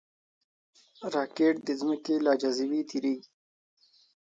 راکټ د ځمکې له جاذبې تېریږي